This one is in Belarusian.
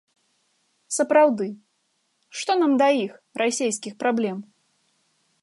Сапраўды, што нам да іх, расейскіх, праблем?